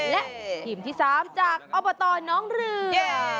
และทีมที่๓จากอบตน้องเรือ